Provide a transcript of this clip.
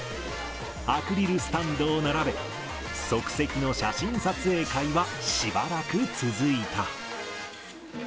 アクリルスタンドを並べ、即席の写真撮影会はしばらく続いた。